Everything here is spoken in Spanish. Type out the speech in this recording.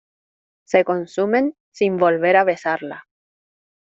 se consumen sin volver a besarla.